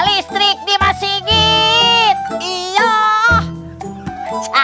itu karna tinju rupanya